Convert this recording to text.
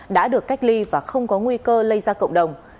đã được cách ly và không có nguy cơ lây ra cộng đồng